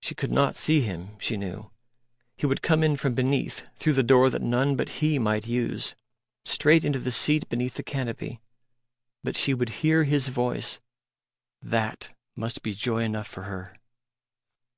She could not see Him, she knew. He would come in from beneath through the door that none but He might use, straight into the seat beneath the canopy. But she would hear His voice that must be joy enough for her....